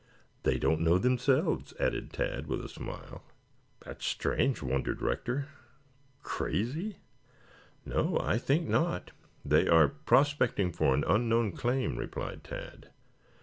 They don't know themselves," added Tad with a smile. "That's strange," wondered Rector. "Crazy?" "No, I think not. They are prospecting for an unknown claim," replied Tad.